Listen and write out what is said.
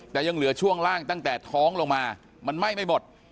แต่ยังเหลือช่วงล่างตั้งแต่ท้องลงมามันไหม้ไม่หมด